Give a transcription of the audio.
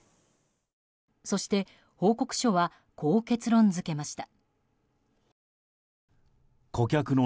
そして、報告書はこう結論付けました。